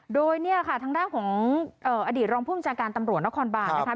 โดยนี่ค่ะทางด้านของอดีตรองผู้เปจารกการตำรวจและควรบ่าน